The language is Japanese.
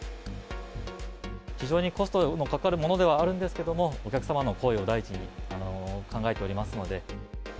非常にコストのかかるものではあるんですけれども、お客様の声を第一に考えておりますので。